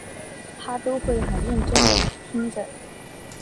她都会很认真地听着